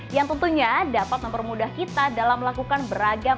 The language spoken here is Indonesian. yang tentunya dapat mempermudah kita dalam melakukan beragam